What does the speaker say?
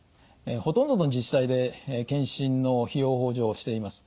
ほとんどの自治体で検診の費用補助をしています。